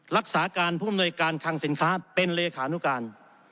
รักษาการภูมิโนยาการทางสินค้าเป็นเลขานุการ